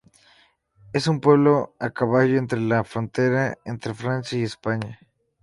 Es un pueblo a caballo entre la frontera entre Francia y España.